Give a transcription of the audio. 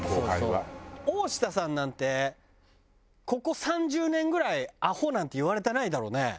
大下さんなんてここ３０年ぐらいアホなんて言われてないだろうね。